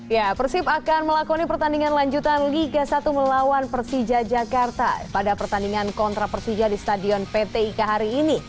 ya persib akan melakoni pertandingan lanjutan liga satu melawan persija jakarta pada pertandingan kontra persija di stadion pt ika hari ini